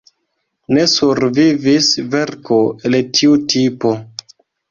Ne survivis verko el tiu tipo.